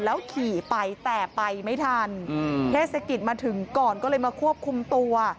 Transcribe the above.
แล้วขี่ไปแต่ไปไม่ทันเทศกิจมาถึงก่อนก็เลยมาควบคุมตัว